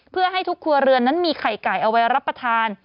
เพื่อให้ทุกครัวเรือนนั้นมีไข่ไก่เอาไว้รับประทาน